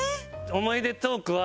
思い出トークはだ